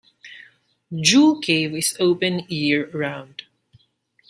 Jewel Cave is open year round.